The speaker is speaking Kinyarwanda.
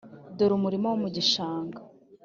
dore umurima wo mu gishanga.